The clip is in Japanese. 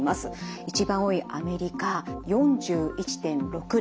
一番多いアメリカ４１．６例。